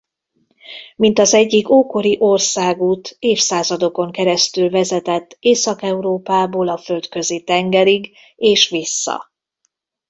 Mint az egyik ókori országút évszázadokon keresztül vezetett Észak-Európából a Földközi-tengerig és vissza.